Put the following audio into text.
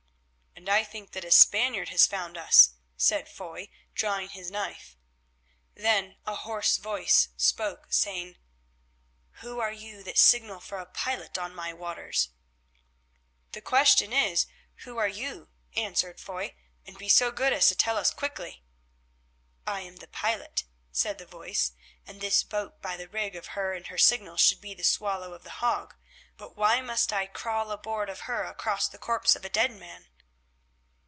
"And I think that a Spaniard has found us," said Foy, drawing his knife. Then a hoarse voice spoke, saying, "Who are you that signal for a pilot on my waters?" "The question is—who are you?" answered Foy, "and be so good as to tell us quickly." "I am the pilot," said the voice, "and this boat by the rig of her and her signals should be the Swallow of The Hague, but why must I crawl aboard of her across the corpse of a dead man?"